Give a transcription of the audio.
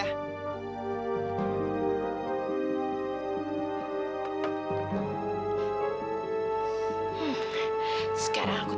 pasti bisa sembunyi